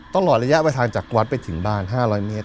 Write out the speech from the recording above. ต้องรอระยะไว้ทางจากวัดไปถึงบ้าน๕๐๐เมตร